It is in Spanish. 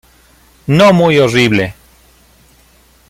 No muy horrible.